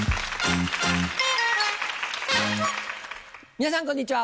皆さんこんにちは。